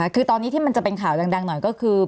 คือตอนนี้ที่มันจะเป็นข่าวดังหน่อยก็คือ